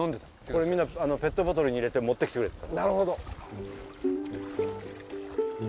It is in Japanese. これみんなペットボトルに入れて持ってきてくれって。